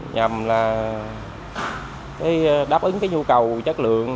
nhằm là đáp ứng nhu cầu chất lượng